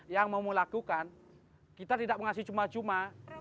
yang mau melakukan kita tidak mengasih cuma cuma